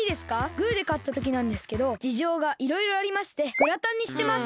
グーでかったときなんですけどじじょうがいろいろありましてグラタンにしてます。